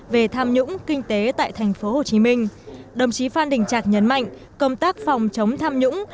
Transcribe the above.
về tham nhũng kinh tế tại tp hcm đồng chí phan đình trạc nhấn mạnh công tác phòng chống tham nhũng